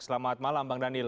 selamat malam bang daniel